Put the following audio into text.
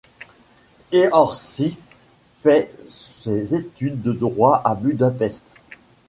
Eörsi fait ses études de droit à Budapest.